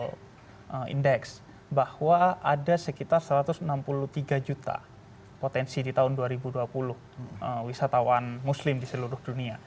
untuk index bahwa ada sekitar satu ratus enam puluh tiga juta potensi di tahun dua ribu dua puluh wisatawan muslim di seluruh dunia